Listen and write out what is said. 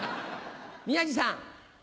宮治さん。